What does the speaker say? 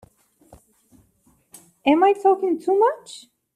Am I talking too much?